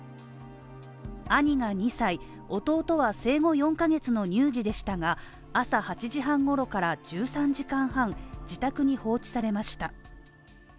兄が２歳、弟は生後４カ月の乳児でしたが、朝８時半ごろから１３時間半、自宅に放置されました。